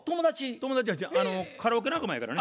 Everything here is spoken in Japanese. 友達やしカラオケ仲間やからね。